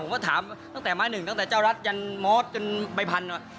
ผมก็ถามตั้งแต่ม้าหนึ่งตั้งแต่เจ้ารัฐยันมอสจนใบพันธุ์